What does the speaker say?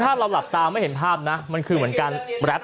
ถ้าเราหลับตาไม่เห็นภาพนะมันคือเหมือนการแรป